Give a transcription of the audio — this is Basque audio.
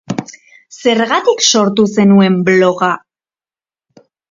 Zergatik sortu zenuen bloga?